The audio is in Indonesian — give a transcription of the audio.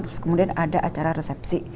terus kemudian ada acara resepsi